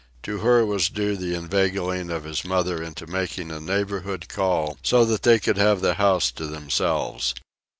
To her was due the inveigling of his mother into making a neighborhood call so that they could have the house to themselves.